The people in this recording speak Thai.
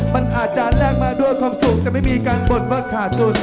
มันอาจจะแลกมาด้วยความสุขจะไม่มีการบ่นว่าขาดทุน